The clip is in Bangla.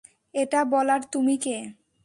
এটা বলার তুমি কে?